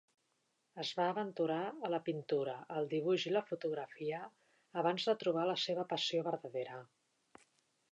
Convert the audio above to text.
Es va aventurar a la pintura, el dibuix i la fotografia abans de trobar la seva passió verdadera.